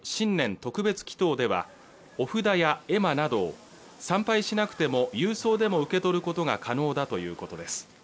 特別祈祷ではおふだや絵馬など参拝しなくても郵送でも受け取ることが可能だということです